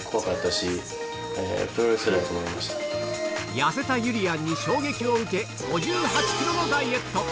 痩せたゆりやんに衝撃を受け５８ｋｇのダイエット